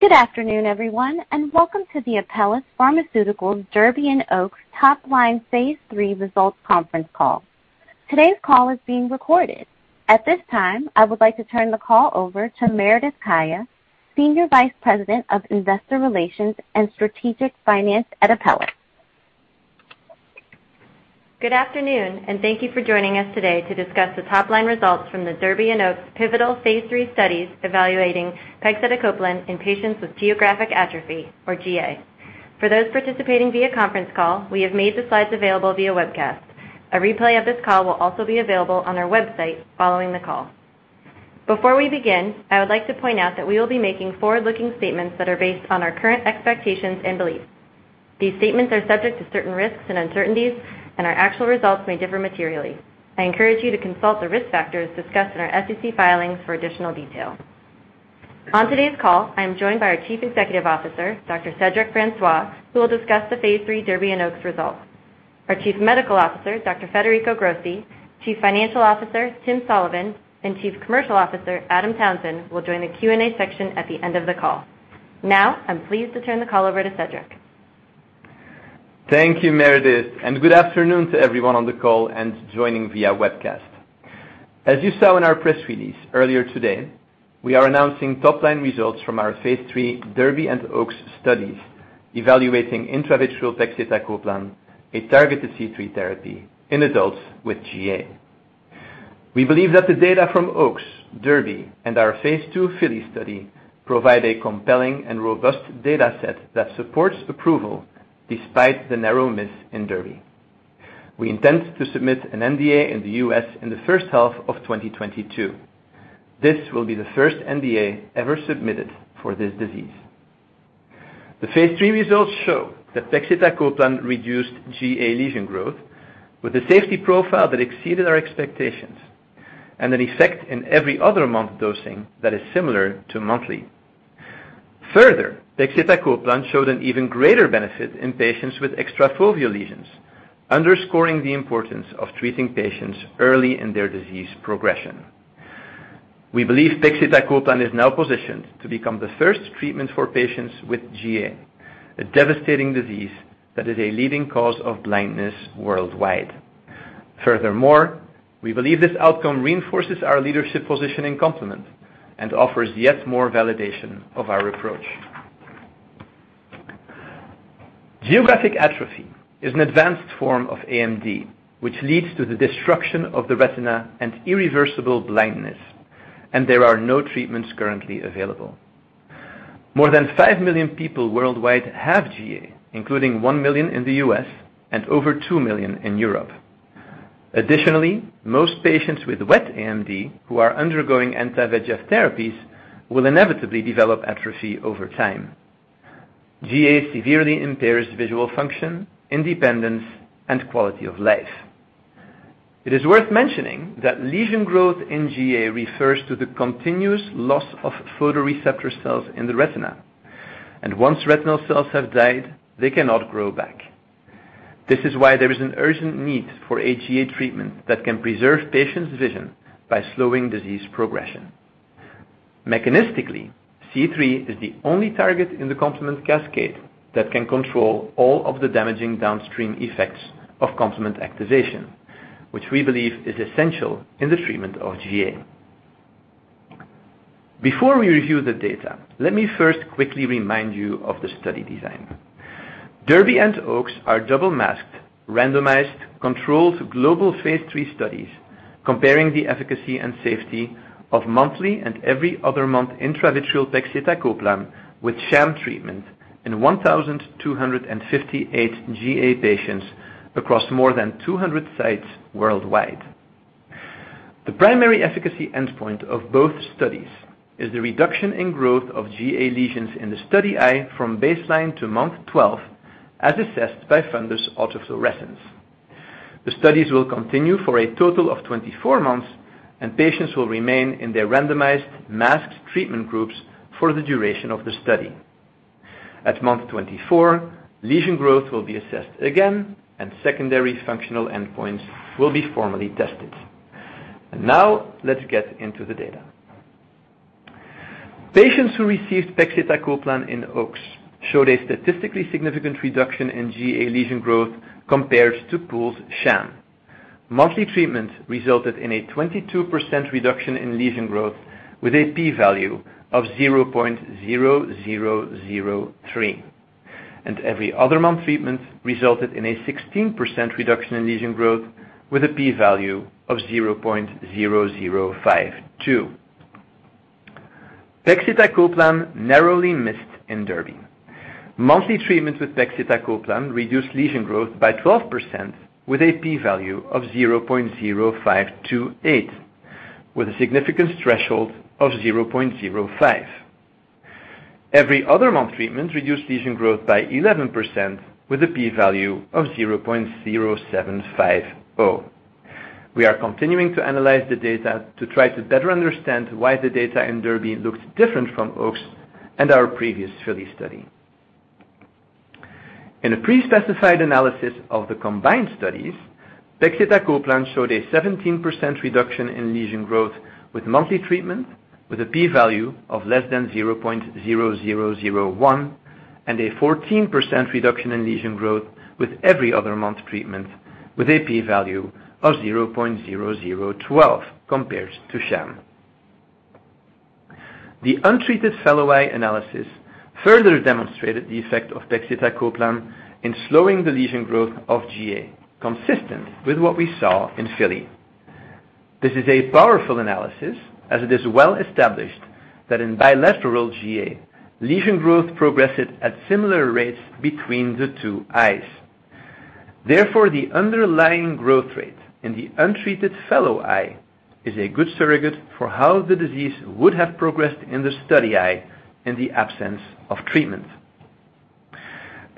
Good afternoon, everyone. Welcome to the Apellis Pharmaceuticals DERBY and OAKS Top Line Phase III Results Conference Call. Today's call is being recorded. At this time, I would like to turn the call over to Meredith Kaya, Senior Vice President of Investor Relations and Strategic Finance at Apellis. Good afternoon. Thank you for joining us today to discuss the top line results from the DERBY and OAKS pivotal phase III studies evaluating pegcetacoplan in patients with geographic atrophy, or GA. For those participating via conference call, we have made the slides available via webcast. A replay of this call will also be available on our website following the call. Before we begin, I would like to point out that we will be making forward-looking statements that are based on our current expectations and beliefs. These statements are subject to certain risks and uncertainties, and our actual results may differ materially. I encourage you to consult the risk factors discussed in our SEC filings for additional detail. On today's call, I am joined by our Chief Executive Officer, Dr. Cedric Francois, who will discuss the phase III DERBY and OAKS results. Our Chief Medical Officer, Dr. Federico Grossi, Chief Financial Officer, Tim Sullivan, and Chief Commercial Officer, Adam Townsend, will join the Q&A section at the end of the call. I'm pleased to turn the call over to Cedric. Thank you, Meredith, and good afternoon to everyone on the call and joining via webcast. As you saw in our press release earlier today, we are announcing top line results from our phase III DERBY and OAKS studies evaluating intravitreal pegcetacoplan, a targeted C3 therapy in adults with GA. We believe that the data from OAKS, DERBY, and our phase II FILLY study provide a compelling and robust data set that supports approval despite the narrow miss in DERBY. We intend to submit an NDA in the U.S. in the first half of 2022. This will be the first NDA ever submitted for this disease. The phase III results show that pegcetacoplan reduced GA lesion growth with a safety profile that exceeded our expectations, and an effect in every other month dosing that is similar to monthly. Further, pegcetacoplan showed an even greater benefit in patients with extrafoveal lesions, underscoring the importance of treating patients early in their disease progression. We believe pegcetacoplan is now positioned to become the first treatment for patients with GA, a devastating disease that is a leading cause of blindness worldwide. We believe this outcome reinforces our leadership position in complement and offers yet more validation of our approach. Geographic atrophy is an advanced form of AMD, which leads to the destruction of the retina and irreversible blindness, and there are no treatments currently available. More than 5 million people worldwide have GA, including 1 million in the U.S. and over 2 million in Europe. Most patients with wet AMD who are undergoing anti-VEGF therapies will inevitably develop atrophy over time. GA severely impairs visual function, independence, and quality of life. It is worth mentioning that lesion growth in GA refers to the continuous loss of photoreceptor cells in the retina, and once retinal cells have died, they cannot grow back. This is why there is an urgent need for a GA treatment that can preserve patients' vision by slowing disease progression. Mechanistically, C3 is the only target in the complement cascade that can control all of the damaging downstream effects of complement activation, which we believe is essential in the treatment of GA. Before we review the data, let me first quickly remind you of the study design. DERBY and OAKS are double-masked, randomized, controlled global phase III studies comparing the efficacy and safety of monthly and every other month intravitreal pegcetacoplan with sham treatment in 1,258 GA patients across more than 200 sites worldwide. The primary efficacy endpoint of both studies is the reduction in growth of GA lesions in the study eye from baseline to month 12, as assessed by fundus autofluorescence. The studies will continue for a total of 24 months, and patients will remain in their randomized masked treatment groups for the duration of the study. At month 24, lesion growth will be assessed again, and secondary functional endpoints will be formally tested. Now let's get into the data. Patients who received pegcetacoplan in OAKS showed a statistically significant reduction in GA lesion growth compared to pooled sham. Monthly treatment resulted in a 22% reduction in lesion growth with a p-value of 0.0003, and every other month treatment resulted in a 16% reduction in lesion growth with a p-value of 0.0052. Pegcetacoplan narrowly missed in DERBY. Monthly treatment with pegcetacoplan reduced lesion growth by 12% with a p-value of 0.0528, with a significance threshold of 0.05. Every other month treatment reduced lesion growth by 11% with a p-value of 0.0750. We are continuing to analyze the data to try to better understand why the data in DERBY looks different from OAKS and our previous FILLY study. In a pre-specified analysis of the combined studies, pegcetacoplan showed a 17% reduction in lesion growth with monthly treatment, with a p-value of less than 0.0001, and a 14% reduction in lesion growth with every other month treatment, with a p-value of 0.0012 compared to sham. The untreated fellow eye analysis further demonstrated the effect of pegcetacoplan in slowing the lesion growth of GA, consistent with what we saw in FILLY. This is a powerful analysis, as it is well established that in bilateral GA, lesion growth progresses at similar rates between the two eyes. Therefore, the underlying growth rate in the untreated fellow eye is a good surrogate for how the disease would have progressed in the study eye in the absence of treatment.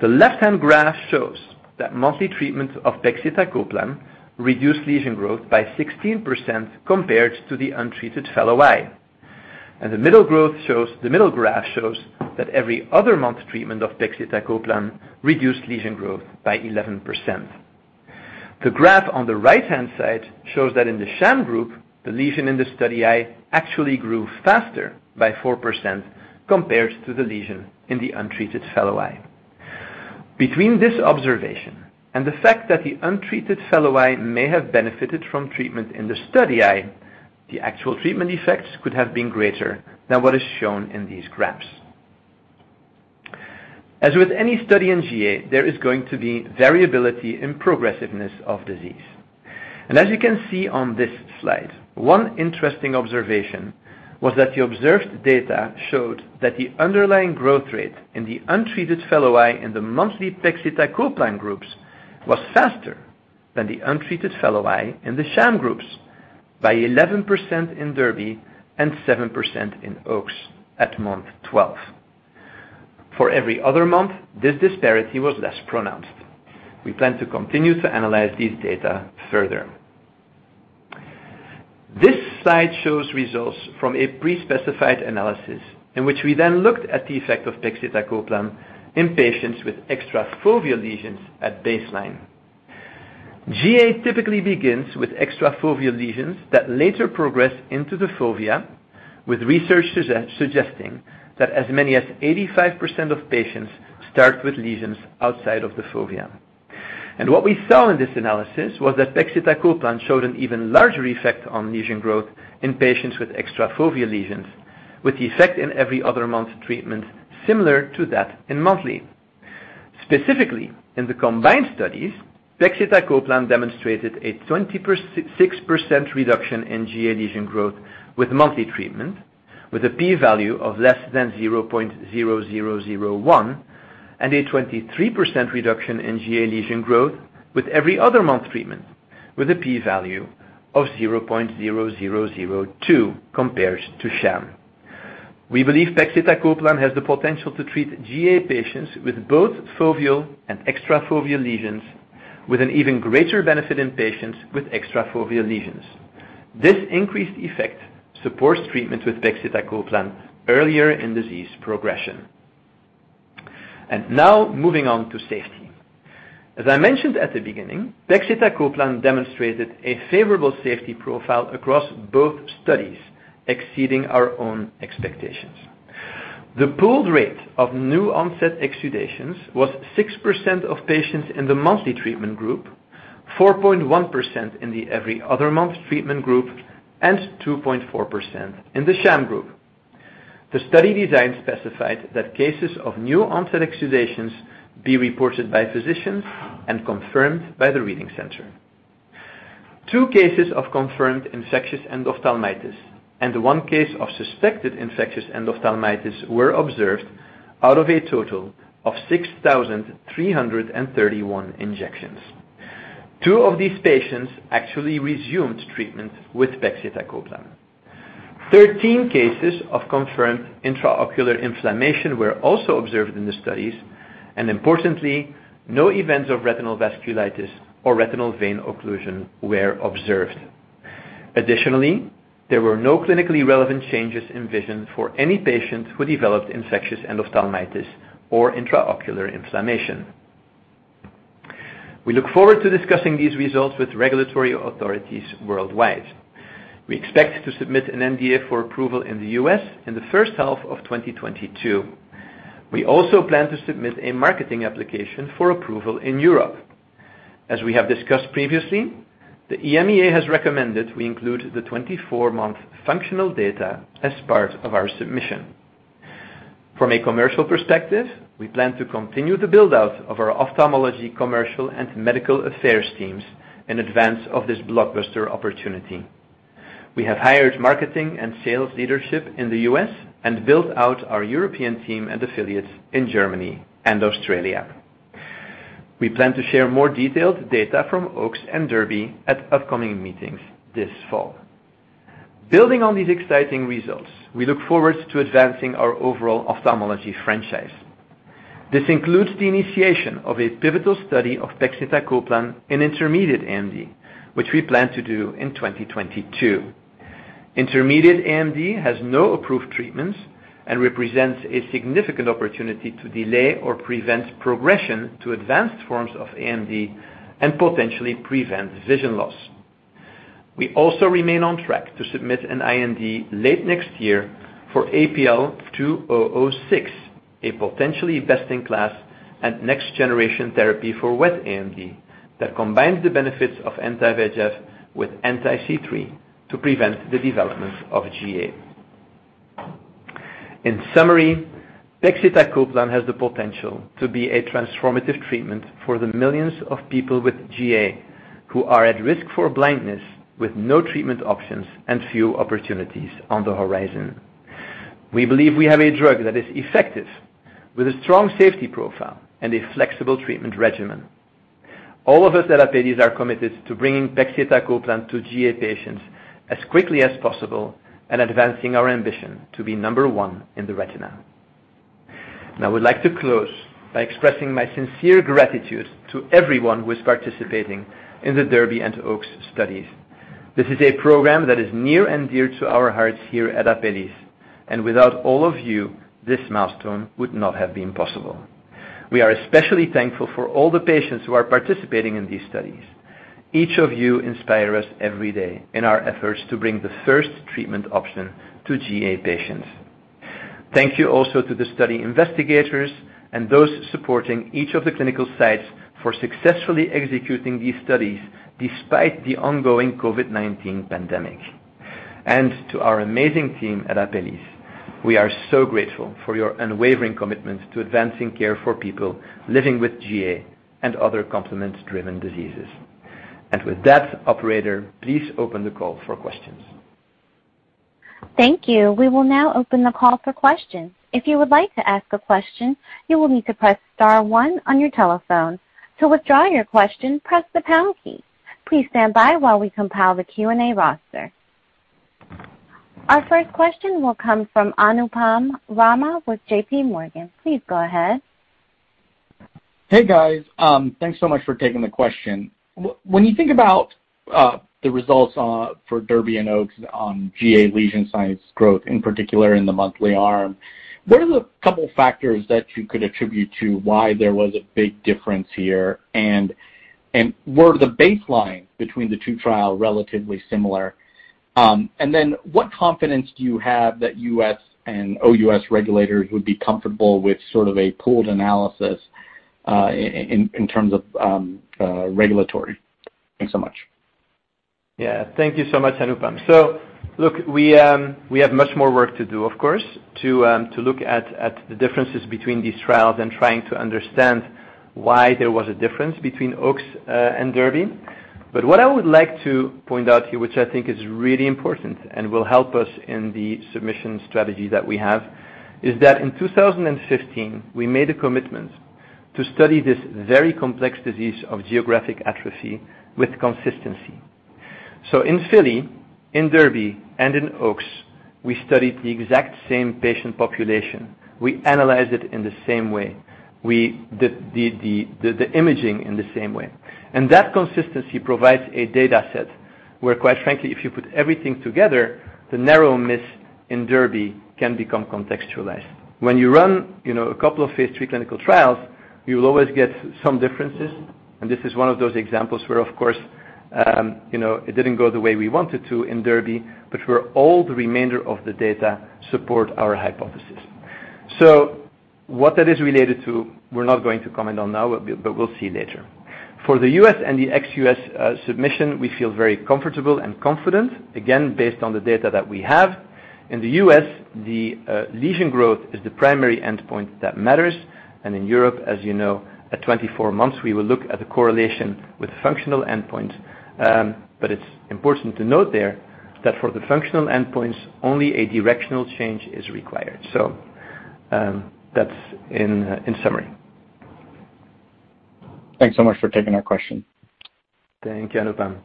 The left-hand graph shows that monthly treatment of pegcetacoplan reduced lesion growth by 16% compared to the untreated fellow eye. The middle graph shows that every other month treatment of pegcetacoplan reduced lesion growth by 11%. The graph on the right-hand side shows that in the sham group, the lesion in the study eye actually grew faster, by 4%, compared to the lesion in the untreated fellow eye. Between this observation and the fact that the untreated fellow eye may have benefited from treatment in the study eye, the actual treatment effects could have been greater than what is shown in these graphs. As with any study in GA, there is going to be variability in progressiveness of disease. As you can see on this slide, one interesting observation was that the observed data showed that the underlying growth rate in the untreated fellow eye in the monthly pegcetacoplan groups was faster than the untreated fellow eye in the sham groups, by 11% in DERBY and 7% in OAKS at month 12. For every other month, this disparity was less pronounced. We plan to continue to analyze these data further. This slide shows results from a pre-specified analysis in which we then looked at the effect of pegcetacoplan in patients with extrafoveal lesions at baseline. GA typically begins with extrafoveal lesions that later progress into the fovea, with research suggesting that as many as 85% of patients start with lesions outside of the fovea. What we saw in this analysis was that pegcetacoplan showed an even larger effect on lesion growth in patients with extrafoveal lesions, with the effect in every other month treatment similar to that in monthly. Specifically, in the combined studies, pegcetacoplan demonstrated a 26% reduction in GA lesion growth with monthly treatment, with a P value of less than 0.0001, and a 23% reduction in GA lesion growth with every other month treatment, with a P value of 0.0002 compared to sham. We believe pegcetacoplan has the potential to treat GA patients with both foveal and extrafoveal lesions, with an even greater benefit in patients with extrafoveal lesions. This increased effect supports treatment with pegcetacoplan earlier in disease progression. Now moving on to safety. As I mentioned at the beginning, pegcetacoplan demonstrated a favorable safety profile across both studies, exceeding our own expectations. The pooled rate of new onset exudations was 6% of patients in the monthly treatment group, 4.1% in the every other month treatment group, and 2.4% in the sham group. The study design specified that cases of new onset exudations be reported by physicians and confirmed by the reading center. Two cases of confirmed infectious endophthalmitis and one case of suspected infectious endophthalmitis were observed out of a total of 6,331 injections. Two of these patients actually resumed treatment with pegcetacoplan. 13 cases of confirmed intraocular inflammation were also observed in the studies, and importantly, no events of retinal vasculitis or retinal vein occlusion were observed. Additionally, there were no clinically relevant changes in vision for any patients who developed infectious endophthalmitis or intraocular inflammation. We look forward to discussing these results with regulatory authorities worldwide. We expect to submit an NDA for approval in the U.S. in the first half of 2022. We also plan to submit a marketing application for approval in Europe. As we have discussed previously, the EMA has recommended we include the 24-month functional data as part of our submission. From a commercial perspective, we plan to continue the build-out of our ophthalmology commercial and medical affairs teams in advance of this blockbuster opportunity. We have hired marketing and sales leadership in the U.S. and built out our European team and affiliates in Germany and Austria. We plan to share more detailed data from OAKS and DERBY at upcoming meetings this fall. Building on these exciting results, we look forward to advancing our overall ophthalmology franchise. This includes the initiation of a pivotal study of pegcetacoplan in intermediate AMD, which we plan to do in 2022. Intermediate AMD has no approved treatments and represents a significant opportunity to delay or prevent progression to advanced forms of AMD and potentially prevent vision loss. We also remain on track to submit an IND late next year for APL-2006, a potentially best-in-class and next generation therapy for wet AMD that combines the benefits of anti-VEGF with anti-C3 to prevent the development of GA. In summary, pegcetacoplan has the potential to be a transformative treatment for the millions of people with GA who are at risk for blindness, with no treatment options and few opportunities on the horizon. We believe we have a drug that is effective with a strong safety profile and a flexible treatment regimen. All of us at Apellis are committed to bringing pegcetacoplan to GA patients as quickly as possible and advancing our ambition to be number one in the retina. I would like to close by expressing my sincere gratitude to everyone who is participating in the DERBY and OAKS studies. This is a program that is near and dear to our hearts here at Apellis, and without all of you, this milestone would not have been possible. We are especially thankful for all the patients who are participating in these studies. Each of you inspire us every day in our efforts to bring the first treatment option to GA patients. Thank you also to the study investigators and those supporting each of the clinical sites for successfully executing these studies despite the ongoing COVID-19 pandemic. To our amazing team at Apellis, we are so grateful for your unwavering commitment to advancing care for people living with GA and other complement-driven diseases. With that, operator, please open the call for questions. Thank you. We will now open the call for questions. If you would like to ask a question, you will need to press star one on your telephone. To withdraw your question, press the pound key. Please stand by while we compile the Q&A roster. Our first question will come from Anupam Rama with JPMorgan. Please go ahead. Hey, guys. Thanks so much for taking the question. When you think about the results for DERBY and OAKS on GA lesion size growth, in particular in the monthly arm, what are the couple factors that you could attribute to why there was a big difference here, and were the baseline between the two trial relatively similar? What confidence do you have that U.S. and OUS regulators would be comfortable with sort of a pooled analysis in terms of regulatory? Thanks so much. Yeah. Thank you so much, Anupam. Look, we have much more work to do, of course, to look at the differences between these trials and trying to understand why there was a difference between OAKS and DERBY. What I would like to point out here, which I think is really important and will help us in the submission strategy that we have, is that in 2015, we made a commitment to study this very complex disease of geographic atrophy with consistency. In FILLY, in DERBY, and in OAKS, we studied the exact same patient population. We analyzed it in the same way. We did the imaging in the same way. That consistency provides a data set where, quite frankly, if you put everything together, the narrow miss in DERBY can become contextualized. When you run a couple of phase III clinical trials, you will always get some differences, and this is one of those examples where, of course, it didn't go the way we wanted to in DERBY, but where all the remainder of the data support our hypothesis. What that is related to, we're not going to comment on now, but we'll see later. For the U.S. and the ex-U.S. submission, we feel very comfortable and confident, again, based on the data that we have. In the U.S., the lesion growth is the primary endpoint that matters. In Europe, as you know, at 24 months, we will look at the correlation with functional endpoint. It's important to note there that for the functional endpoints, only a directional change is required. That's in summary. Thanks so much for taking our question. Thank you, Anupam.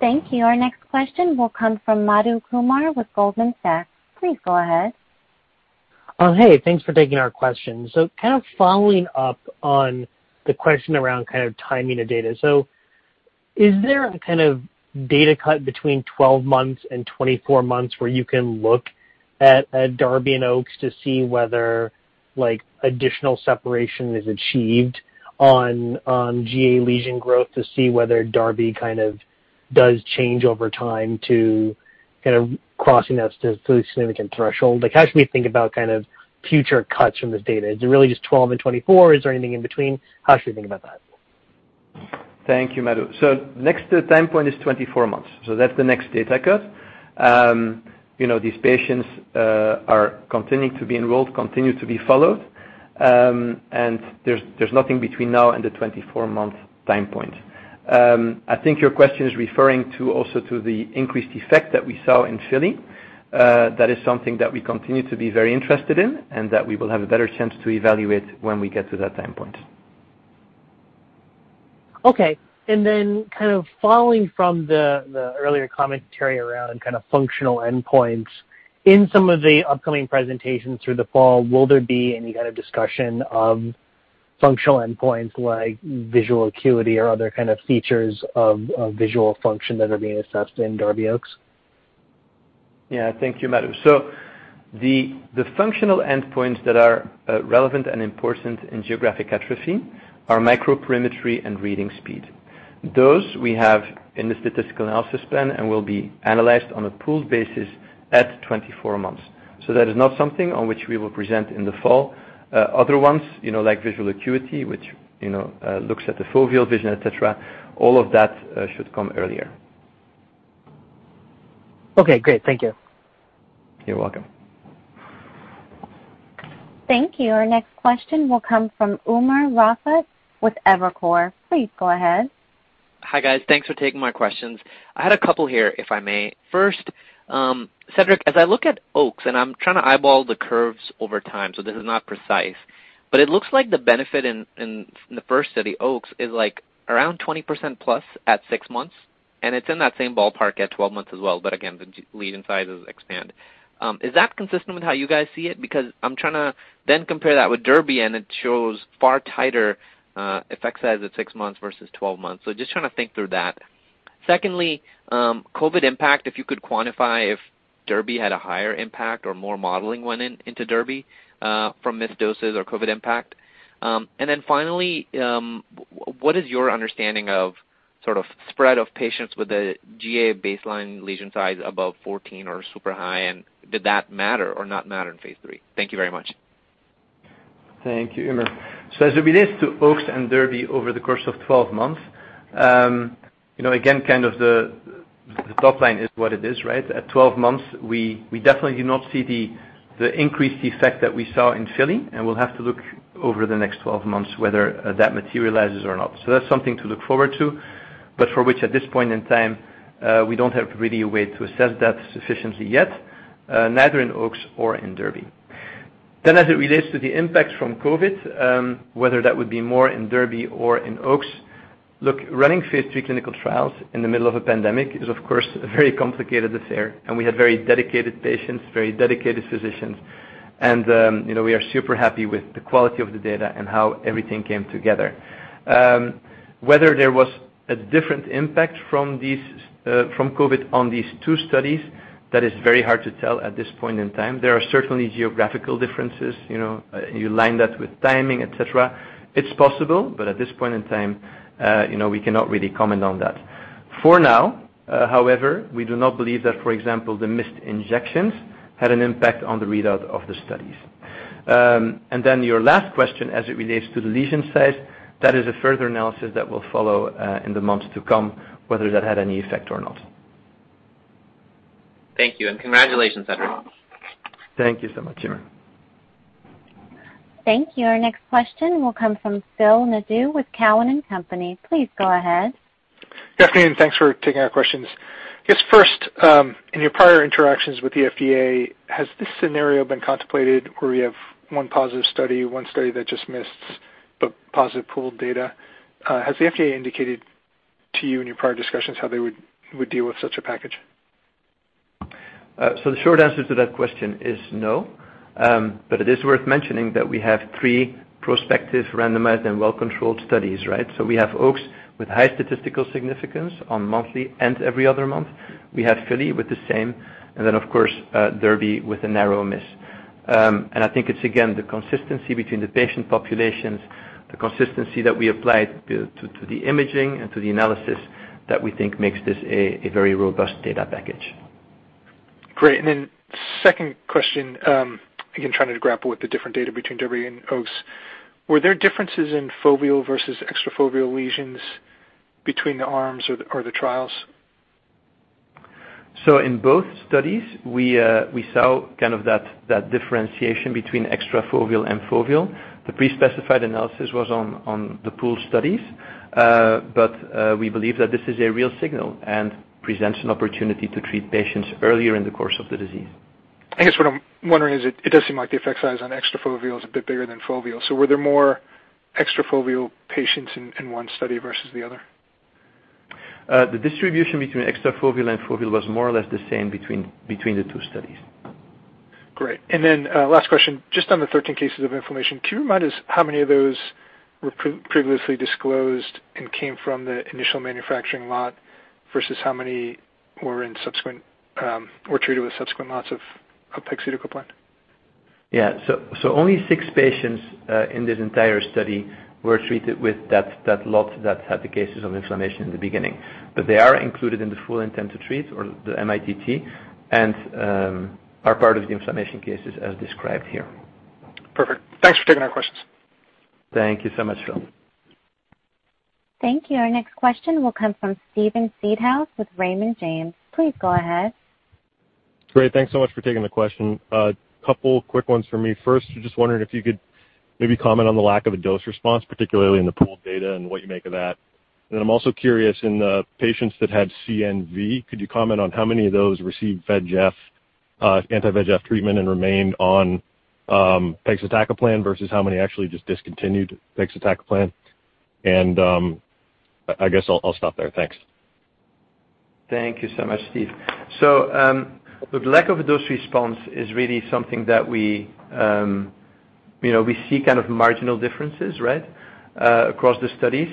Thank you. Our next question will come from Madhu Kumar with Goldman Sachs. Please go ahead. Hey, thanks for taking our question. Following up on the question around timing of data. Is there a data cut between 12 months and 24 months where you can look at DERBY and OAKS to see whether additional separation is achieved on GA lesion growth to see whether DERBY does change over time to crossing that statistically significant threshold? How should we think about future cuts from this data? Is it really just 12 and 24? Is there anything in between? How should we think about that? Thank you, Madhu. Next time point is 24 months. That's the next data cut. These patients are continuing to be enrolled, continue to be followed. There's nothing between now and the 24-month time point. I think your question is referring also to the increased effect that we saw in FILLY. That is something that we continue to be very interested in and that we will have a better chance to evaluate when we get to that time point. Okay. Following from the earlier commentary around functional endpoints, in some of the upcoming presentations through the fall, will there be any kind of discussion of? Functional endpoints like visual acuity or other kind of features of visual function that are being assessed in DERBY OAKS? Yeah. Thank you, Madhu. The functional endpoints that are relevant and important in geographic atrophy are microperimetry and reading speed. Those we have in the statistical analysis plan and will be analyzed on a pooled basis at 24 months. That is not something on which we will present in the fall. Other ones, like visual acuity, which looks at the foveal vision, et cetera, all of that should come earlier. Okay, great. Thank you. You're welcome. Thank you. Our next question will come from Umer Raffat with Evercore. Please go ahead. Hi, guys. Thanks for taking my questions. I had a couple here, if I may. First, Cedric, as I look at OAKS, and I'm trying to eyeball the curves over time, so this is not precise, but it looks like the benefit in the first study, OAKS, is around 20%+ at six months, and it's in that same ballpark at 12 months as well. Again, the lead-in sizes expand. Is that consistent with how you guys see it? I'm trying to then compare that with DERBY, and it shows far tighter effect size at six months versus 12 months. Just trying to think through that. Secondly, COVID impact, if you could quantify if DERBY had a higher impact or more modeling went into DERBY from missed doses or COVID impact. Finally, what is your understanding of sort of spread of patients with a GA baseline lesion size above 14 or super high, and did that matter or not matter in phase III? Thank you very much. Thank you, Umer. As it relates to OAKS and DERBY over the course of 12 months, again, kind of the top line is what it is, right? At 12 months, we definitely do not see the increased effect that we saw in FILLY, and we'll have to look over the next 12 months whether that materializes or not. That's something to look forward to, but for which at this point in time, we don't have really a way to assess that sufficiently yet, neither in OAKS or in DERBY. As it relates to the impact from COVID-19, whether that would be more in DERBY or in OAKS. Look, running phase III clinical trials in the middle of a pandemic is, of course, a very complicated affair, and we had very dedicated patients, very dedicated physicians, and we are super happy with the quality of the data and how everything came together. Whether there was a different impact from COVID on these two studies, that is very hard to tell at this point in time. There are certainly geographical differences. You line that with timing, et cetera. It's possible, but at this point in time, we cannot really comment on that. For now, however, we do not believe that, for example, the missed injections had an impact on the readout of the studies. Your last question as it relates to the lesion size, that is a further analysis that will follow in the months to come, whether that had any effect or not. Thank you, and congratulations, everyone. Thank you so much, Umer. Thank you. Our next question will come from Phil Nadeau with Cowen and Company. Please go ahead. Good afternoon, thanks for taking our questions. I guess first, in your prior interactions with the FDA, has this scenario been contemplated where we have one positive study, one study that just missed the positive pool data? Has the FDA indicated to you in your prior discussions how they would deal with such a package? The short answer to that question is no. It is worth mentioning that we have three prospective, randomized, and well-controlled studies, right? We have OAKS with high statistical significance on monthly and every other month. We have FILLY with the same, and then of course, DERBY with a narrow miss. I think it's again, the consistency between the patient populations, the consistency that we applied to the imaging and to the analysis that we think makes this a very robust data package. Great. Second question, again, trying to grapple with the different data between DERBY and OAKS. Were there differences in foveal versus extrafoveal lesions between the arms or the trials? In both studies, we saw that differentiation between extrafoveal and foveal. The pre-specified analysis was on the pooled studies. We believe that this is a real signal and presents an opportunity to treat patients earlier in the course of the disease. I guess what I'm wondering is it does seem like the effect size on extrafoveal is a bit bigger than foveal. Were there more extrafoveal patients in one study versus the other? The distribution between extrafoveal and foveal was more or less the same between the two studies. Great. Last question, just on the 13 cases of inflammation, can you remind us how many of those were previously disclosed and came from the initial manufacturing lot versus how many were treated with subsequent lots of pegcetacoplan? Only six patients in this entire study were treated with that lot that had the cases of inflammation in the beginning. They are included in the full intent to treat or the mITT and are part of the inflammation cases as described here. Perfect. Thanks for taking our questions. Thank you so much, Phil. Thank you. Our next question will come from Steven Seedhouse with Raymond James. Please go ahead. Great. Thanks so much for taking the question. A couple quick ones for me. First, just wondering if you could maybe comment on the lack of a dose response, particularly in the pooled data and what you make of that. Then I'm also curious in the patients that had CNV, could you comment on how many of those received anti-VEGF treatment and remained on pegcetacoplan versus how many actually just discontinued pegcetacoplan? I guess I'll stop there. Thanks. Thank you so much, Steve. The lack of dose response is really something that we see kind of marginal differences, right, across the studies.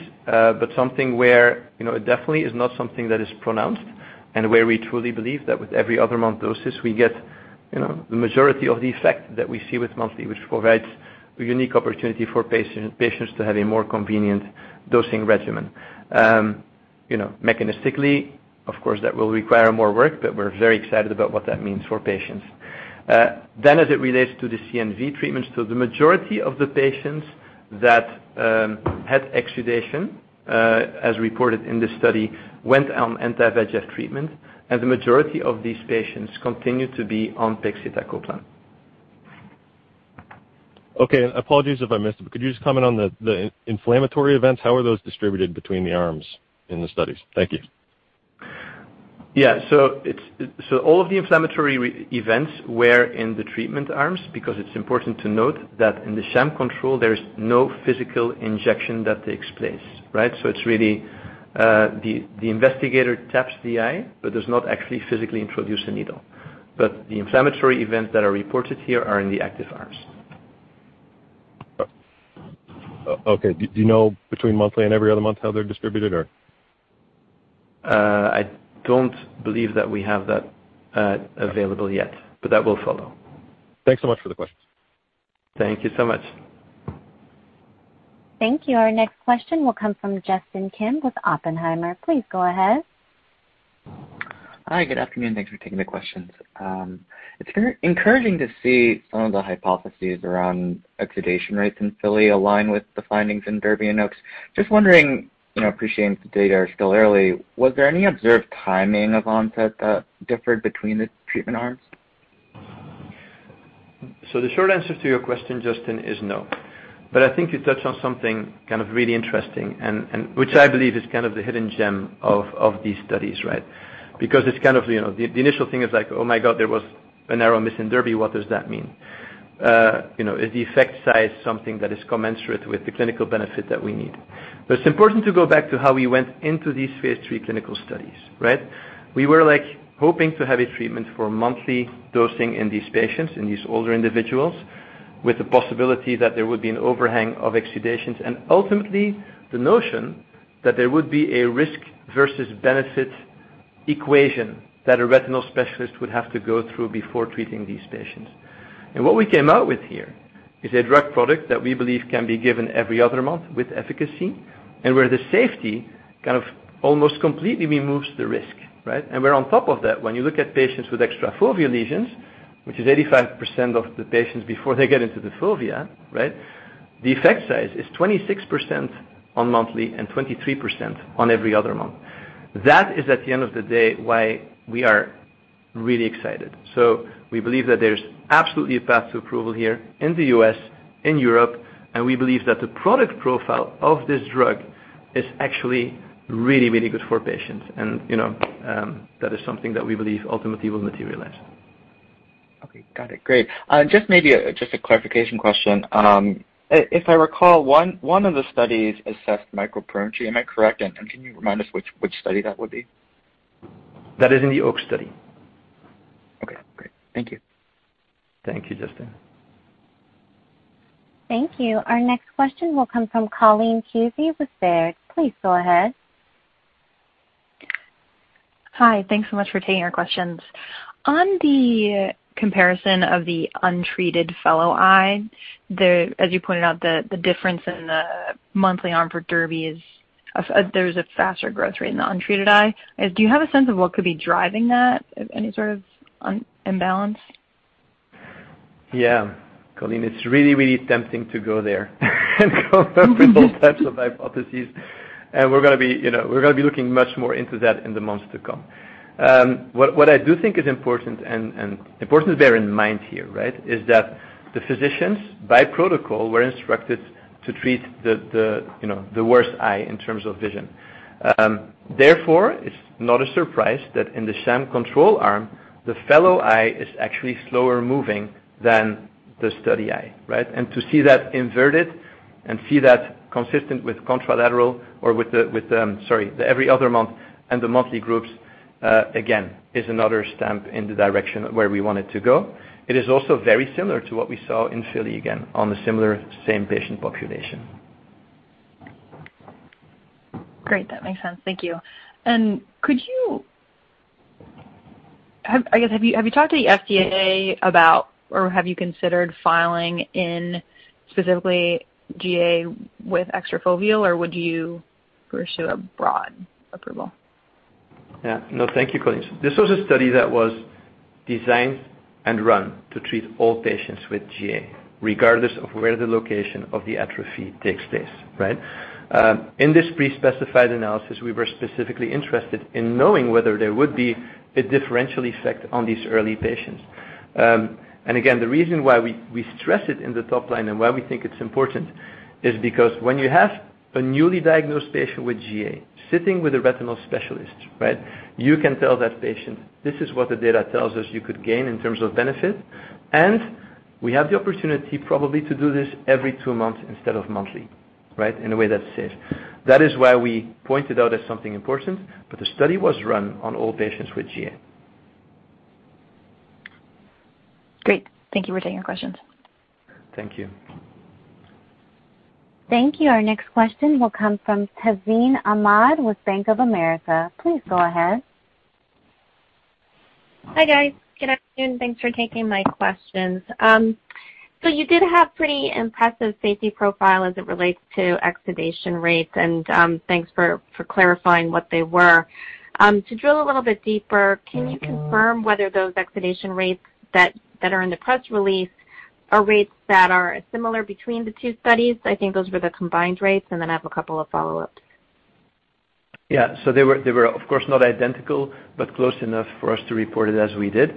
Something where it definitely is not something that is pronounced, and where we truly believe that with every other month doses, we get the majority of the effect that we see with monthly, which provides a unique opportunity for patients to have a more convenient dosing regimen. Mechanistically, of course, that will require more work, but we're very excited about what that means for patients. As it relates to the CNV treatments, the majority of the patients that had exudation, as reported in the study, went on anti-VEGF treatment, and the majority of these patients continued to be on pegcetacoplan. Okay. Apologies if I missed it, but could you just comment on the inflammatory events? How are those distributed between the arms in the studies? Thank you. Yeah. All of the inflammatory events were in the treatment arms because it is important to note that in the sham control, there is no physical injection that takes place, right? It is really the investigator taps the eye but does not actually physically introduce a needle. The inflammatory events that are reported here are in the active arms. Okay. Do you know between monthly and every other month how they're distributed, or? I don't believe that we have that available yet, but that will follow. Thanks so much for the questions. Thank you so much. Thank you. Our next question will come from Justin Kim with Oppenheimer. Please go ahead. Hi. Good afternoon. Thanks for taking the questions. It's encouraging to see some of the hypotheses around exudation rates in FILLY align with the findings in DERBY and OAKS. Just wondering, appreciating the data are still early, was there any observed timing of onset that differed between the treatment arms? The short answer to your question, Justin, is no. I think you touch on something really interesting and which I believe is the hidden gem of these studies, right. It's the initial thing is, oh, my God, there was an arrow missing in DERBY. What does that mean? Is the effect size something that is commensurate with the clinical benefit that we need? It's important to go back to how we went into these phase III clinical studies, right. We were hoping to have a treatment for monthly dosing in these patients, in these older individuals, with the possibility that there would be an overhang of exudations and ultimately the notion that there would be a risk versus benefit equation that a retinal specialist would have to go through before treating these patients. What we came out with here is a drug product that we believe can be given every other month with efficacy, and where the safety kind of almost completely removes the risk, right? Where on top of that, when you look at patients with extra fovea lesions, which is 85% of the patients before they get into the fovea, right, the effect size is 26% on monthly and 23% on every other month. That is at the end of the day why we are really excited. We believe that there's absolutely a path to approval here in the U.S., in Europe, and we believe that the product profile of this drug is actually really, really good for patients. That is something that we believe ultimately will materialize. Okay. Got it. Great. Just maybe just a clarification question. If I recall, one of the studies assessed microperimetry. Am I correct? Can you remind us which study that would be? That is in the OAKS study. Okay, great. Thank you. Thank you, Justin. Thank you. Our next question will come from Colleen Kusy with Baird. Please go ahead. Hi. Thanks so much for taking our questions. On the comparison of the untreated fellow eye, as you pointed out, the difference in the monthly arm for DERBY is there's a faster growth rate in the untreated eye. Do you have a sense of what could be driving that? Any sort of imbalance? Yeah. Colleen, it's really, really tempting to go there and come up with all types of hypotheses. We're going to be looking much more into that in the months to come. What I do think is important and important to bear in mind here, right, is that the physicians, by protocol, were instructed to treat the worst eye in terms of vision. Therefore, it's not a surprise that in the sham control arm, the fellow eye is actually slower moving than the study eye, right? To see that inverted and see that consistent with contralateral or with the, sorry, the every other month and the monthly groups, again, is another stamp in the direction where we want it to go. It is also very similar to what we saw in FILLY, again, on the similar, same patient population. Great. That makes sense. Thank you. Could you I guess, have you talked to the FDA about, or have you considered filing in specifically GA with extra foveal, or would you pursue a broad approval? Thank you, Colleen. This was a study that was designed and run to treat all patients with GA, regardless of where the location of the atrophy takes place, right? In this pre-specified analysis, we were specifically interested in knowing whether there would be a differential effect on these early patients. Again, the reason why we stress it in the top line and why we think it's important is because when you have a newly diagnosed patient with GA sitting with a retinal specialist, right, you can tell that patient, "This is what the data tells us you could gain in terms of benefit." We have the opportunity probably to do this every two months instead of monthly, right, in a way that's safe. That is why we pointed out as something important, the study was run on all patients with GA. Great. Thank you for taking our questions. Thank you. Thank you. Our next question will come from Tazeen Ahmad with Bank of America. Please go ahead. Hi, guys. Good afternoon. Thanks for taking my questions. You did have pretty impressive safety profile as it relates to exudation rates, and thanks for clarifying what they were. To drill a little bit deeper, can you confirm whether those exudation rates that are in the press release are rates that are similar between the two studies? I think those were the combined rates. Then I have a couple of follow-ups. Yeah. They were of course, not identical, but close enough for us to report it as we did.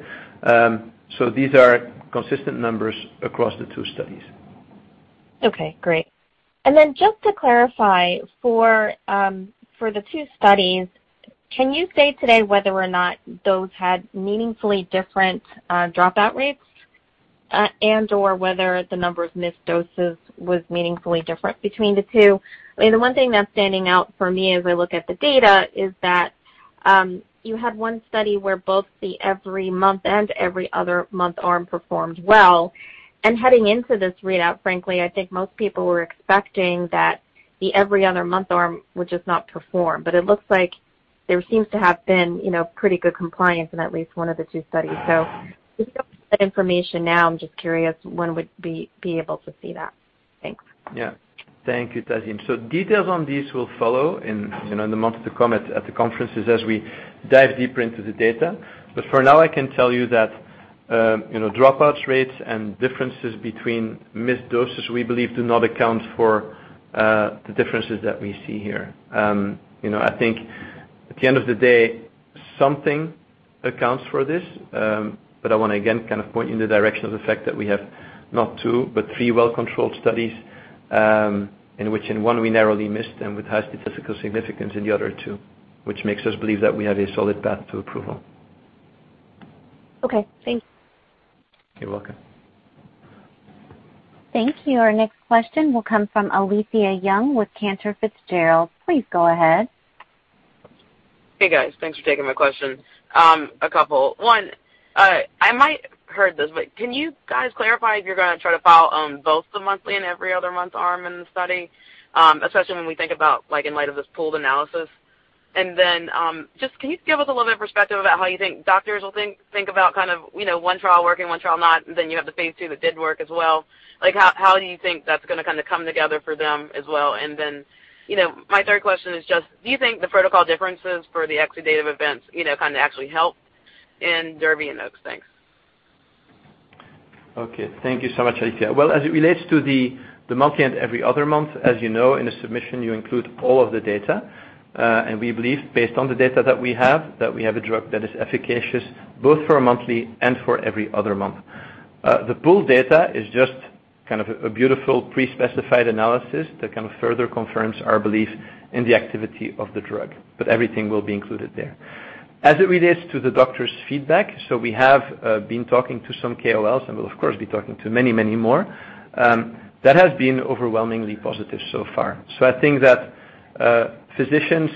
These are consistent numbers across the two studies. Okay, great. Then just to clarify for the two studies, can you say today whether or not those had meaningfully different dropout rates and/or whether the number of missed doses was meaningfully different between the two? I mean, the one thing that's standing out for me as I look at the data is that you had one study where both the every month and every other month arm performed well. Heading into this readout, frankly, I think most people were expecting that the every other month arm would just not perform. It looks like there seems to have been pretty good compliance in at least one of the two studies. If you don't have that information now, I'm just curious when would we be able to see that? Thanks. Thank you, Tazeen. Details on these will follow in the months to come at the conferences as we dive deeper into the data. For now, I can tell you that dropouts rates and differences between missed doses, we believe do not account for the differences that we see here. I think at the end of the day, something accounts for this. I want to, again, kind of point you in the direction of the fact that we have not two, but three well-controlled studies, in which in one we narrowly missed and with high statistical significance in the other two, which makes us believe that we have a solid path to approval. Okay, thanks. You're welcome. Thank you. Our next question will come from Alethia Young with Cantor Fitzgerald. Please go ahead. Hey, guys. Thanks for taking my question. A couple. One, I might heard this, but can you guys clarify if you're going to try to file on both the monthly and every other month arm in the study, especially when we think about, like, in light of this pooled analysis? Just can you give us a little bit of perspective about how you think doctors will think about 1 trial working, 1 trial not, then you have the phase II that did work as well. How do you think that's going to come together for them as well? My third question is just do you think the protocol differences for the exudative events actually helped in DERBY and OAKS? Okay. Thank you so much, Alethia. Well, as it relates to the monthly and every other month, as you know, in a submission, you include all of the data. We believe based on the data that we have, that we have a drug that is efficacious both for a monthly and for every other month. The pooled sham data is just kind of a beautiful pre-specified analysis that kind of further confirms our belief in the activity of the drug, but everything will be included there. As it relates to the doctor's feedback, we have been talking to some KOLs and will of course be talking to many more. That has been overwhelmingly positive so far. I think that physicians,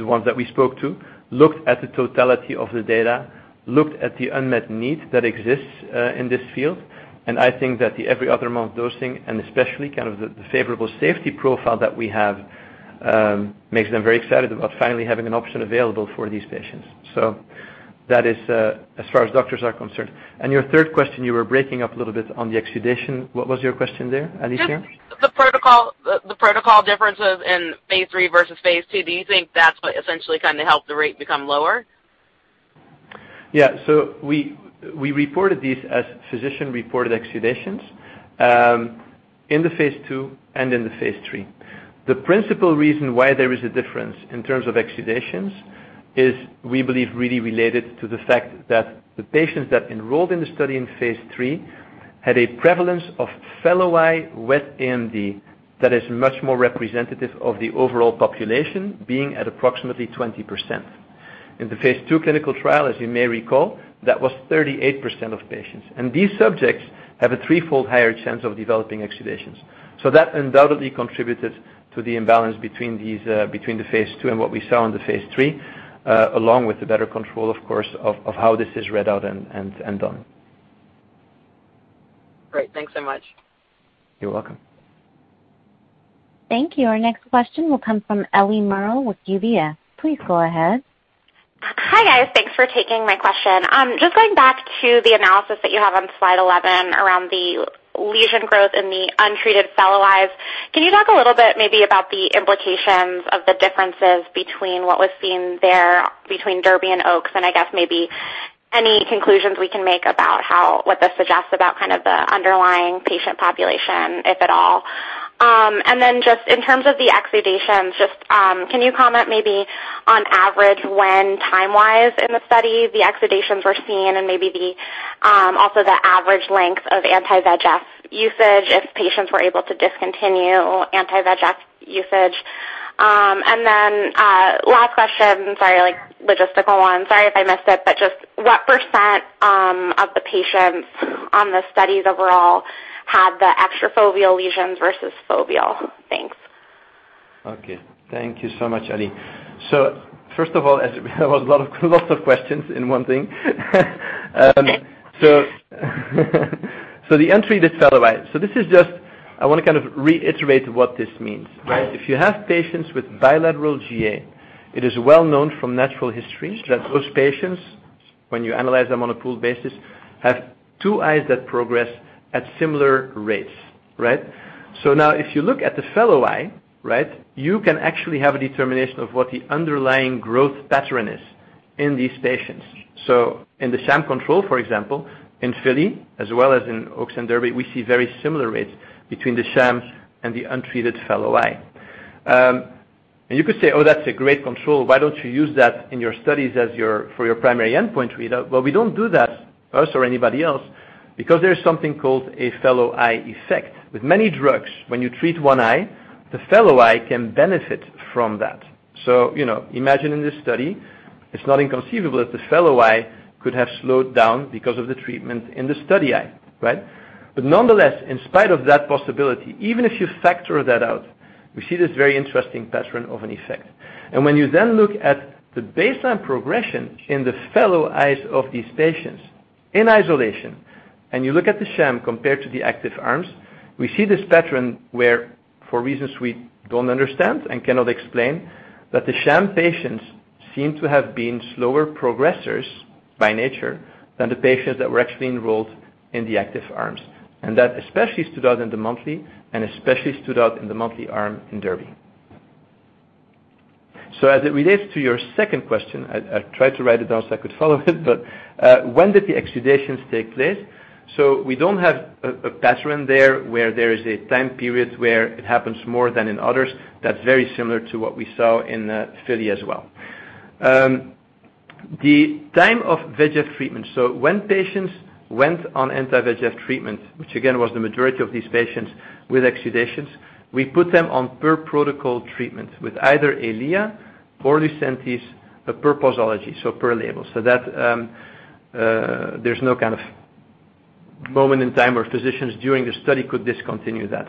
the ones that we spoke to, looked at the totality of the data, looked at the unmet need that exists in this field. I think that the every other month dosing and especially the favorable safety profile that we have, makes them very excited about finally having an option available for these patients. That is as far as doctors are concerned. Your third question, you were breaking up a little bit on the exudation. What was your question there, Alethia? Just the protocol differences in phase III versus phase II, do you think that's what essentially helped the rate become lower? Yeah. We reported these as physician-reported exudations in the phase II and in the phase III. The principal reason why there is a difference in terms of exudations is we believe really related to the fact that the patients that enrolled in the study in phase III had a prevalence of fellow eye wet AMD that is much more representative of the overall population being at approximately 20%. In the phase II clinical trial, as you may recall, that was 38% of patients. These subjects have a threefold higher chance of developing exudations. That undoubtedly contributed to the imbalance between the phase II and what we saw in the phase III, along with the better control, of course, of how this is read out and done. Great. Thanks so much. You're welcome. Thank you. Our next question will come from Ellie Merle with UBS. Please go ahead. Hi, guys. Thanks for taking my question. Just going back to the analysis that you have on slide 11 around the lesion growth in the untreated fellow eye. Can you talk a little bit maybe about the implications of the differences between what was seen there between DERBY and OAKS, and I guess maybe any conclusions we can make about what this suggests about kind of the underlying patient population, if at all? Then just in terms of the exudations, just can you comment maybe on average when time-wise in the study the exudations were seen and maybe the, also the average length of anti-VEGF usage if patients were able to discontinue anti-VEGF usage? Then last question, sorry, logistical one. Sorry if I missed it, but just what percent of the patients on the studies overall had the extrafoveal lesions versus foveal? Thanks. Okay. Thank you so much, Ellie. First of all, there was lots of questions in one thing. The untreated fellow eye. I want to reiterate what this means. If you have patients with bilateral GA, it is well known from natural history that those patients, when you analyze them on a pooled basis, have two eyes that progress at similar rates. Right? Now if you look at the fellow eye, you can actually have a determination of what the underlying growth pattern is in these patients. In the sham control, for example, in FILLY, as well as in OAKS and DERBY, we see very similar rates between the shams and the untreated fellow eye. You could say, "Oh, that's a great control. Why don't you use that in your studies for your primary endpoint reader? Well, we don't do that, us or anybody else, because there's something called a fellow eye effect. With many drugs, when you treat one eye, the fellow eye can benefit from that. Imagine in this study, it's not inconceivable that the fellow eye could have slowed down because of the treatment in the study eye. Right? Nonetheless, in spite of that possibility, even if you factor that out, we see this very interesting pattern of an effect. When you then look at the baseline progression in the fellow eyes of these patients in isolation, and you look at the sham compared to the active arms, we see this pattern where, for reasons we don't understand and cannot explain, that the sham patients seem to have been slower progressers by nature than the patients that were actually enrolled in the active arms. That especially stood out in the monthly arm in DERBY. As it relates to your second question, I tried to write it down so I could follow it, but when did the exudations take place? We don't have a pattern there where there is a time period where it happens more than in others. That's very similar to what we saw in FILLY as well. The time of VEGF treatment. When patients went on anti-VEGF treatment, which again was the majority of these patients with exudations, we put them on per protocol treatment with either Eylea or Lucentis, per posology, so per label. There's no kind of moment in time where physicians during the study could discontinue that.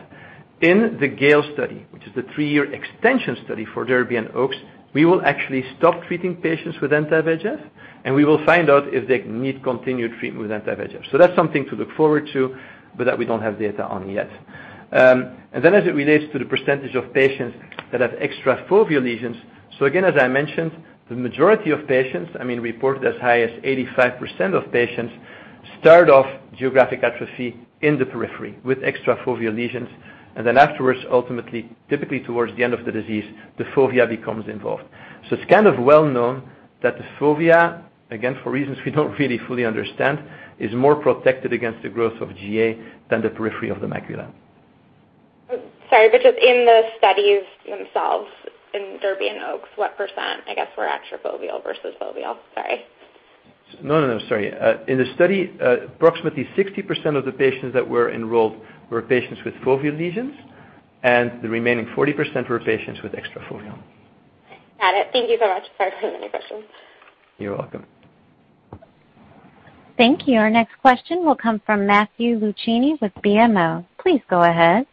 In the GALE study, which is the three-year extension study for DERBY and OAKS, we will actually stop treating patients with anti-VEGF, and we will find out if they need continued treatment with anti-VEGF. That's something to look forward to, but that we don't have data on yet. As it relates to the percentage of patients that have extrafoveal lesions. Again, as I mentioned, the majority of patients, reported as high as 85% of patients, start off geographic atrophy in the periphery with extrafoveal lesions, and then afterwards, ultimately, typically towards the end of the disease, the fovea becomes involved. It's kind of well known that the fovea, again, for reasons we don't really fully understand, is more protected against the growth of GA than the periphery of the macula. Sorry, just in the studies themselves, in DERBY and OAKS, what percent, I guess, were extrafoveal versus foveal? Sorry. No, sorry. In the study, approximately 60% of the patients that were enrolled were patients with foveal lesions, and the remaining 40% were patients with extrafoveal. Got it. Thank you so much. Sorry for so many questions. You're welcome. Thank you. Our next question will come from Matthew Luchini with BMO. Please go ahead.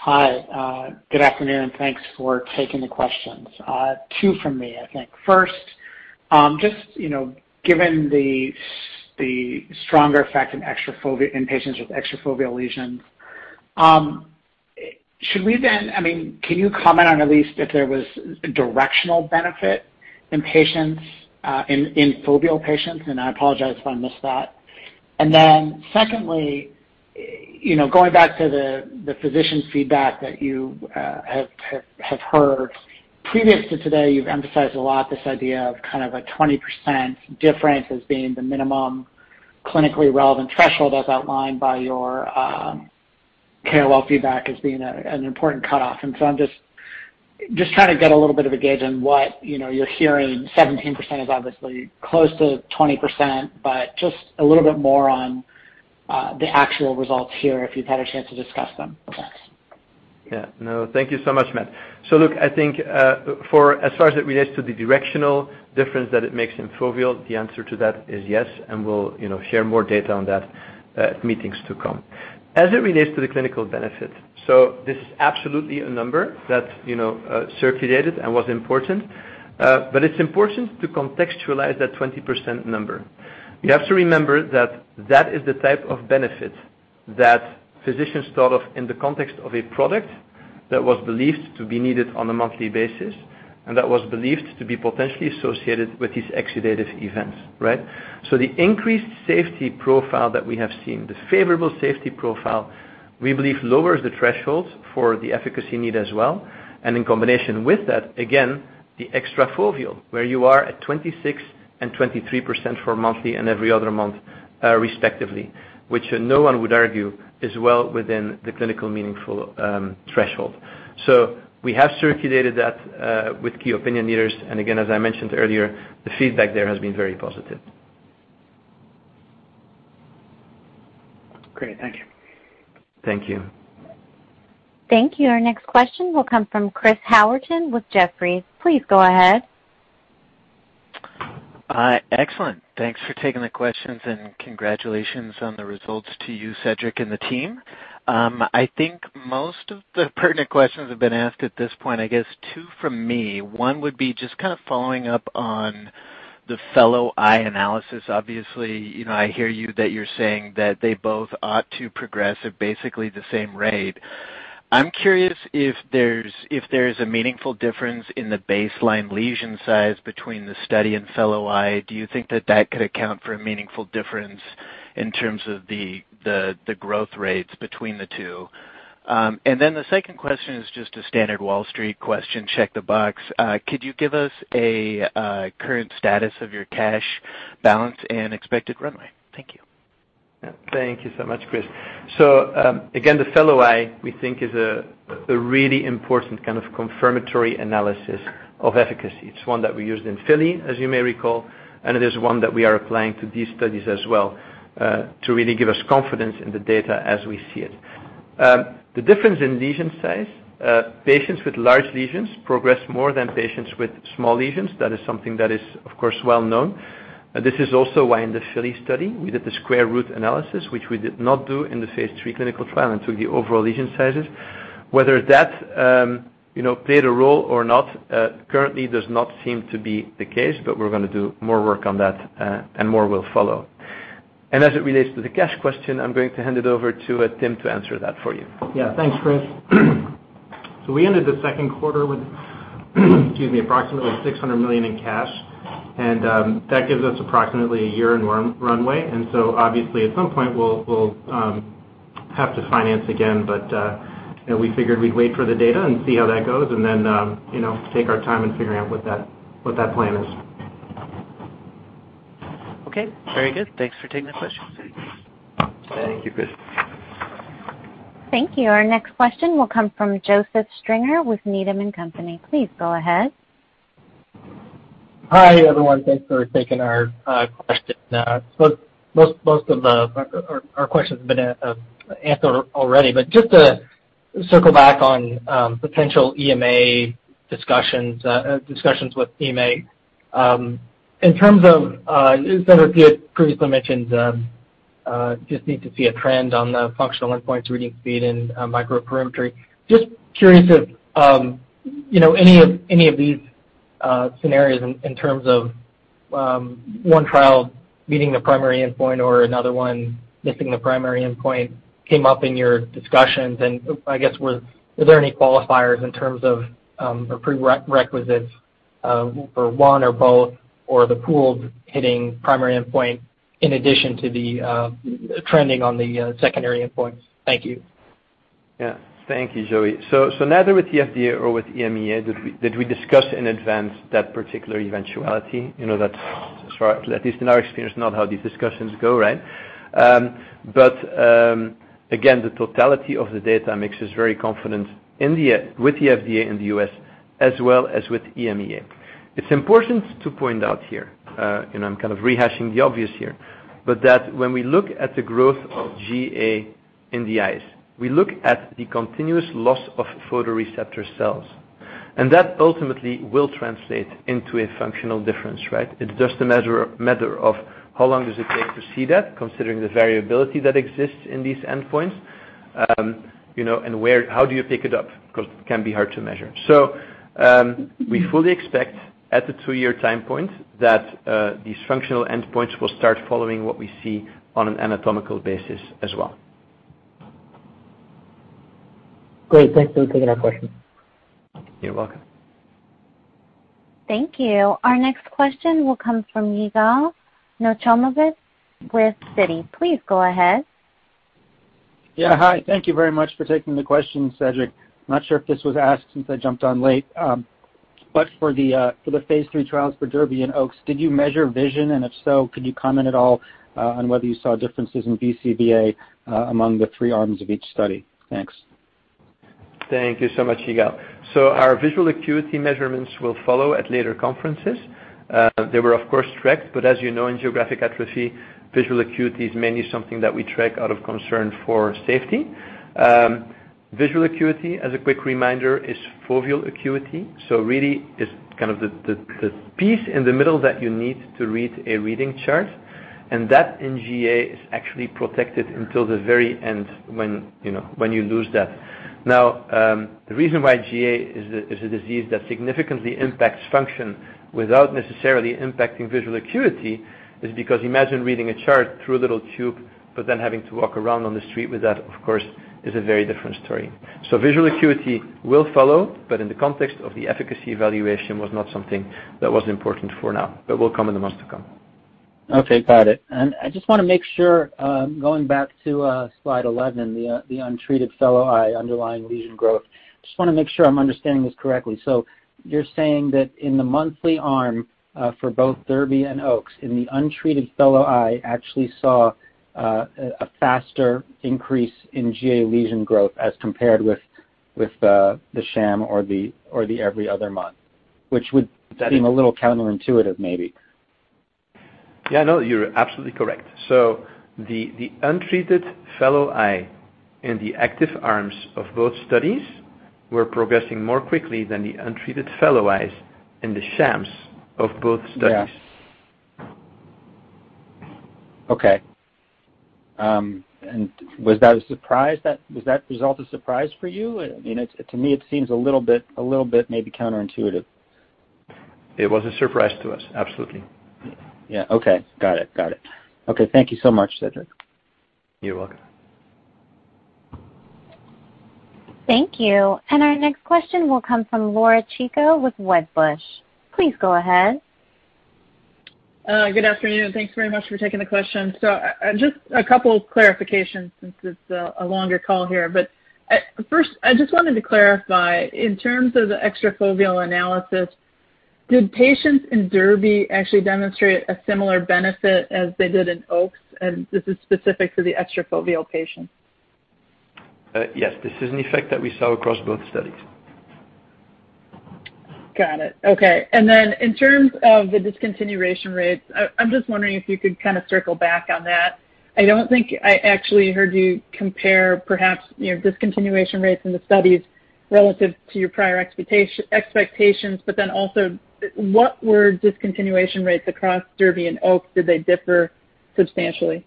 Hi. Good afternoon, and thanks for taking the questions. Two from me, I think. First, just given the stronger effect in patients with extrafoveal lesions, can you comment on at least if there was directional benefit in foveal patients? I apologize if I missed that. Secondly, going back to the physician feedback that you have heard. Previous to today, you've emphasized a lot this idea of a 20% difference as being the minimum clinically relevant threshold as outlined by your KOL feedback as being an important cutoff. I'm just trying to get a little bit of a gauge on what you're hearing, 17% is obviously close to 20%, but just a little bit more on the actual results here, if you've had a chance to discuss them. Thanks. No, thank you so much, Matt. I think as far as it relates to the directional difference that it makes in foveal, the answer to that is yes, and we'll share more data on that at meetings to come. As it relates to the clinical benefit, this is absolutely a number that circulated and was important. It's important to contextualize that 20% number. You have to remember that that is the type of benefit that physicians thought of in the context of a product that was believed to be needed on a monthly basis, and that was believed to be potentially associated with these exudative events. Right? The increased safety profile that we have seen, the favorable safety profile, we believe lowers the thresholds for the efficacy need as well. In combination with that, again, the extrafoveal, where you are at 26% and 23% for monthly and every other month, respectively, which no one would argue is well within the clinical meaningful threshold. We have circulated that with Key Opinion Leaders, and again, as I mentioned earlier, the feedback there has been very positive. Great. Thank you. Thank you. Thank you. Our next question will come from Chris Howerton with Jefferies. Please go ahead. Hi. Excellent. Thanks for taking the questions and congratulations on the results to you, Cedric, and the team. I think most of the pertinent questions have been asked at this point. I guess two from me. One would be just following up on the fellow eye analysis. Obviously, I hear you that you're saying that they both ought to progress at basically the same rate. I'm curious if there's a meaningful difference in the baseline lesion size between the study and fellow eye. Do you think that that could account for a meaningful difference in terms of the growth rates between the two? The second question is just a standard Wall Street question, check the box. Could you give us a current status of your cash balance and expected runway? Thank you. Yeah, thank you so much, Chris. Again, the fellow eye, we think, is a really important kind of confirmatory analysis of efficacy. It's one that we used in FILLY, as you may recall, and it is one that we are applying to these studies as well, to really give us confidence in the data as we see it. The difference in lesion size, patients with large lesions progress more than patients with small lesions. That is something that is, of course, well known. This is also why in the FILLY study, we did the square root analysis, which we did not do in the phase III clinical trial until the overall lesion sizes. Whether that played a role or not, currently does not seem to be the case, but we're going to do more work on that, and more will follow. As it relates to the cash question, I'm going to hand it over to Tim to answer that for you. Yeah. Thanks, Chris. We ended the second quarter with, excuse me, approximately $600 million in cash, that gives us approximately year in runway. Obviously at some point, we'll have to finance again. We figured we'd wait for the data and see how that goes and then take our time in figuring out what that plan is. Okay, very good. Thanks for taking the questions. Thank you, Chris. Thank you. Our next question will come from Joseph Stringer with Needham & Company. Please go ahead. Hi, everyone. Thanks for taking our question. Most of our questions have been answered already, but just to circle back on potential EMA discussions with EMA. In terms of, as Cedric previously mentioned, just need to see a trend on the functional endpoints, reading speed, and microperimetry. Just curious if any of these scenarios in terms of 1 trial meeting the primary endpoint or another 1 missing the primary endpoint came up in your discussions. I guess were there any qualifiers in terms of, or prerequisites for 1 or both or the pooled hitting primary endpoint in addition to the trending on the secondary endpoints? Thank you. Yeah. Thank you, Joey. Neither with the FDA or with EMA did we discuss in advance that particular eventuality. That's, at least in our experience, not how these discussions go, right? Again, the totality of the data makes us very confident with the FDA in the U.S. as well as with EMA. It's important to point out here, and I'm kind of rehashing the obvious here, but that when we look at the growth of GA in the eyes, we look at the continuous loss of photoreceptor cells. That ultimately will translate into a functional difference, right? It's just a matter of how long does it take to see that, considering the variability that exists in these endpoints, and how do you pick it up? It can be hard to measure. We fully expect at the two-year time point that these functional endpoints will start following what we see on an anatomical basis as well. Great. Thanks for taking our question. You're welcome. Thank you. Our next question will come from Yigal Nochomovitz with Citi. Please go ahead. Yeah. Hi. Thank you very much for taking the question, Cedric. Not sure if this was asked since I jumped on late. For the phase III trials for DERBY and OAKS, did you measure vision? If so, could you comment at all on whether you saw differences in BCVA among the three arms of each study? Thanks. Thank you so much, Yigal. Our visual acuity measurements will follow at later conferences. They were of course tracked, but as you know, in geographic atrophy, visual acuity is mainly something that we track out of concern for safety. Visual acuity, as a quick reminder, is foveal acuity. Really is the piece in the middle that you need to read a reading chart, and that in GA is actually protected until the very end when you lose that. The reason why GA is a disease that significantly impacts function without necessarily impacting visual acuity is because imagine reading a chart through a little tube, but then having to walk around on the street with that, of course, is a very different story. Visual acuity will follow, but in the context of the efficacy evaluation was not something that was important for now, but will come in the months to come. Okay, got it. I just want to make sure, going back to slide 11, the untreated fellow eye underlying lesion growth. I just want to make sure I'm understanding this correctly. You're saying that in the monthly arm for both DERBY and OAKS, in the untreated fellow eye, actually saw a faster increase in GA lesion growth as compared with the sham or the every other month, which would seem a little counterintuitive, maybe. Yeah, no, you're absolutely correct. The untreated fellow eye in the active arms of both studies were progressing more quickly than the untreated fellow eyes in the shams of both studies. Yeah. Okay. Was that result a surprise for you? To me, it seems a little bit maybe counterintuitive. It was a surprise to us, absolutely. Yeah. Okay. Got it. Okay. Thank you so much, Cedric. You're welcome. Thank you. Our next question will come from Laura Chico with Wedbush. Please go ahead. Good afternoon. Thanks very much for taking the question. Just a couple clarifications since it's a longer call here. First, I just wanted to clarify, in terms of the extrafoveal analysis, did patients in DERBY actually demonstrate a similar benefit as they did in OAKS? This is specific to the extrafoveal patients. Yes. This is an effect that we saw across both studies. Got it. Okay. In terms of the discontinuation rates, I'm just wondering if you could kind of circle back on that. I don't think I actually heard you compare, perhaps, discontinuation rates in the studies relative to your prior expectations. What were discontinuation rates across DERBY and OAKS? Did they differ substantially?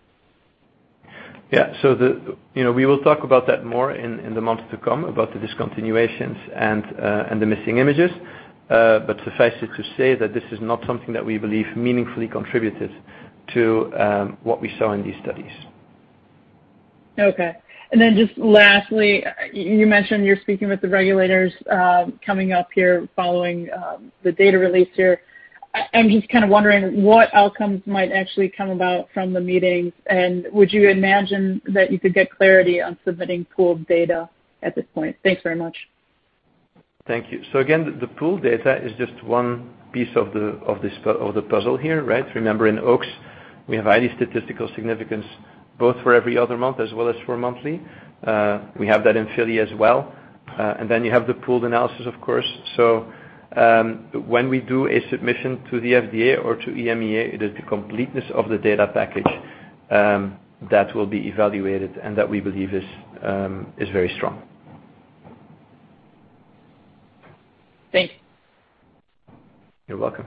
Yeah. We will talk about that more in the months to come, about the discontinuations and the missing images. Suffice it to say that this is not something that we believe meaningfully contributed to what we saw in these studies. Okay. Just lastly, you mentioned you're speaking with the regulators coming up here following the data release here. I'm just kind of wondering what outcomes might actually come about from the meetings, and would you imagine that you could get clarity on submitting pooled data at this point? Thanks very much. Thank you. Again, the pooled data is just one piece of the puzzle here, right? Remember, in OAKS, we have highly statistical significance, both for every other month as well as for monthly. We have that in FILLY as well. Then you have the pooled analysis, of course. When we do a submission to the FDA or to EMA, it is the completeness of the data package that will be evaluated and that we believe is very strong. Thanks. You're welcome.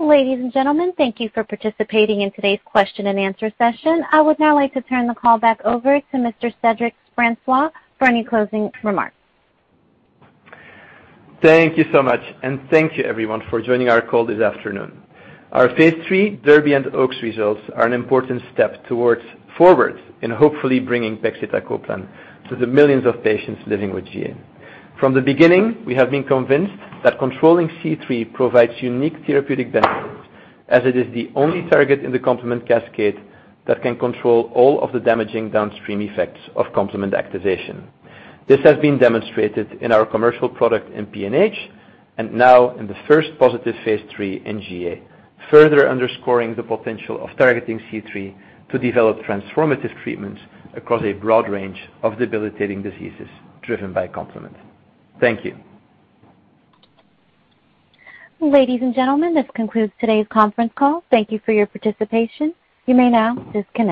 Ladies and gentlemen, thank you for participating in today's question and answer session. I would now like to turn the call back over to Mr. Cedric Francois for any closing remarks. Thank you so much, and thank you everyone for joining our call this afternoon. Our phase III DERBY and OAKS results are an important step forward in hopefully bringing pegcetacoplan to the millions of patients living with GA. From the beginning, we have been convinced that controlling C3 provides unique therapeutic benefits, as it is the only target in the complement cascade that can control all of the damaging downstream effects of complement activation. This has been demonstrated in our commercial product in PNH and now in the first positive phase III in GA, further underscoring the potential of targeting C3 to develop transformative treatments across a broad range of debilitating diseases driven by complement. Thank you. Ladies and gentlemen, this concludes today's conference call. Thank you for your participation. You may now disconnect.